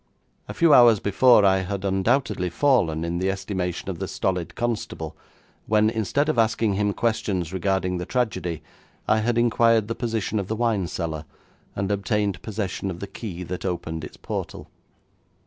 A few hours before I had undoubtedly fallen in the estimation of the stolid constable when, instead of asking him questions regarding the tragedy, I had inquired the position of the wine cellar, and obtained possession of the key that opened its portal.